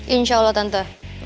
insya allah tante